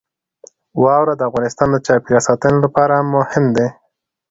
واوره د افغانستان د چاپیریال ساتنې لپاره مهم دي.